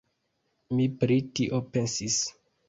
Mi pri tio pensis.